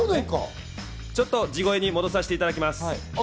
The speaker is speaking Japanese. ちょっと地声に戻させていただきます。